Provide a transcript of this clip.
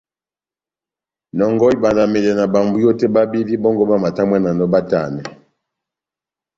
Nɔngɔhɔ ibandamedɛ na bámbwiyo tɛ́h bábevi bɔ́ngɔ bamatamwananɔ batanɛ.